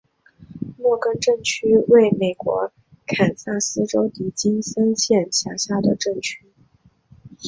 洛根镇区为美国堪萨斯州迪金森县辖下的镇区。